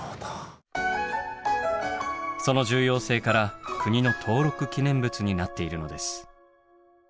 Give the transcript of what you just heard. その重要性から国の登録記念物になっているのです。